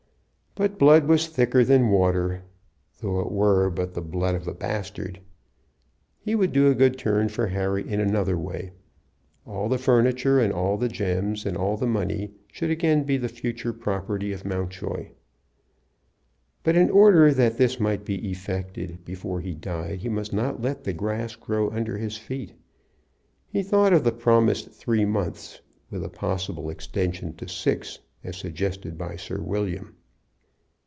But blood was thicker than water, though it were but the blood of a bastard. He would do a good turn for Harry in another way. All the furniture, and all the gems, and all the money, should again be the future property of Mountjoy. But in order that this might be effected before he died he must not let the grass grow under his feet. He thought of the promised three months, with a possible extension to six, as suggested by Sir William.